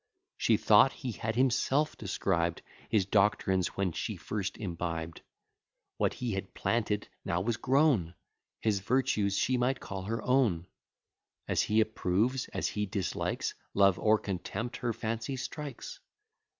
She thought he had himself described, His doctrines when she first imbibed; What he had planted, now was grown; His virtues she might call her own; As he approves, as he dislikes, Love or contempt her fancy strikes.